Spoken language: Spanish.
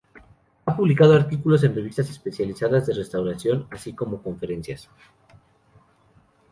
Ha publicado artículos en revistas especializadas de restauración, así como conferencias.